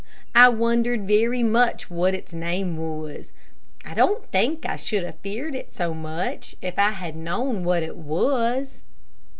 I wondered very much what its name was. I don't think I should have feared it so much if I had known what it was.